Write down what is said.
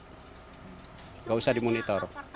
nggak usah dimonitor